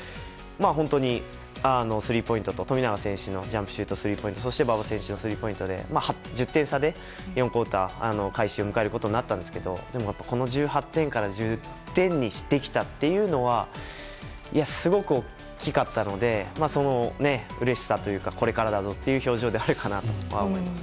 本当に、富永選手のジャンプシュートスリーポイントそして馬場選手のスリーポイントで１０点差で４クオーター開始を迎えることになったんですけれどでも、この１８点から１０点にできたっていうのはすごく大きかったのでそのうれしさというかこれからだぞという表情ではあるかなと思います。